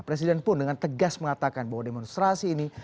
presiden pun dengan tegas mengatakan bahwa demonstrasi ini